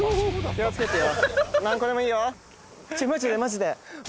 気を付けてよ。